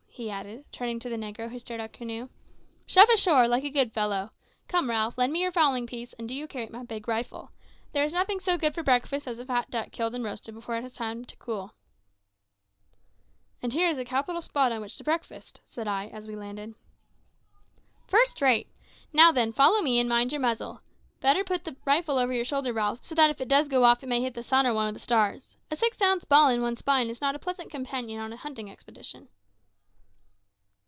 he added, turning to the negro who steered our canoe; "shove ashore, like a good fellow. Come, Ralph, lend me your fowling piece, and do you carry my big rifle. There is nothing so good for breakfast as a fat duck killed and roasted before it has had time to cool." "And here is a capital spot on which to breakfast," said I, as we landed. "First rate. Now then, follow me, and mind your muzzle. Better put the rifle over your shoulder, Ralph, so that if it does go off it may hit the sun or one of the stars. A six ounce ball in one's spine is not a pleasant companion in a hunting expedition."